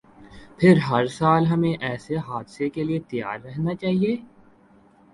پھر ہرسال ہمیں ایسے حادثے کے لیے تیار رہنا چاہیے۔